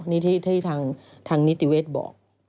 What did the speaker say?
นี่ที่ทางนิติเวศบอก